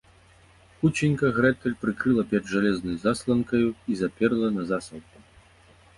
Хуценька Грэтэль прыкрыла печ жалезнай засланкаю і заперла на засаўку